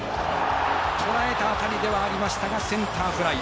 とらえた当たりではありましたがセンターフライ。